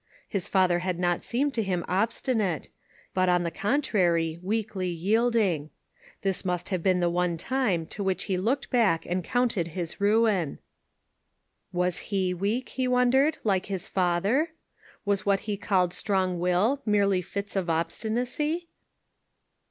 His father had not seemed to him obstinate ; but, on the contrary, weakly yielding. This must have been the one time to which he looked back and counted his ruin. Was he weak, he wondered, like his father? Was what he called strong will merely fits of obstinacy?